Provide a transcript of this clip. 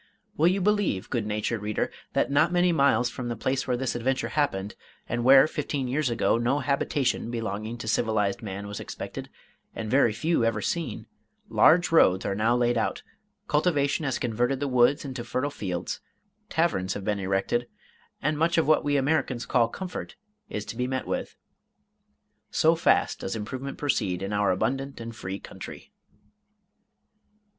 Will you believe, good natured reader, that not many miles from the place where this adventure happened, and where fifteen years ago, no habitation belonging to civilized man was expected, and very few ever seen, large roads are now laid out, cultivation has converted the woods into fertile fields, taverns have been erected, and much of what we Americans call comfort is to be met with! So fast does improvement proceed in our abundant and free country.